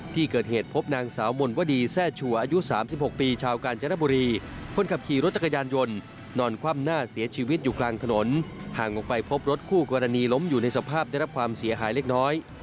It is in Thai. ที่เกิดเหตุพบนางสาวมนวดีแทร่ชัวร์อายุ๓๖ปีชาวกาญจนบุรีคนขับขี่รถจักรยานยนต์นอนคว่ำหน้าเสียชีวิตอยู่กลางถนนห่างออกไปพบรถคู่กรณีล้มอยู่ในสภาพได้รับความเสียหายเล็กน้อย